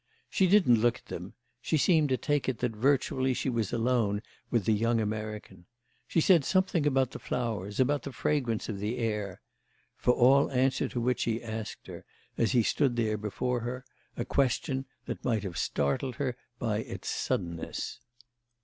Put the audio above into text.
She didn't look at them; she seemed to take it that virtually she was alone with the young American. She said something about the flowers, about the fragrance of the air; for all answer to which he asked her, as he stood there before her, a question that might have startled her by its suddenness.